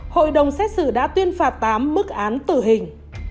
hội đồng xét xử đã tuyên phạt tám bức án tử hình